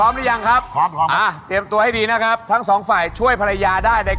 ไม่ตรงอันนี้เล็กไป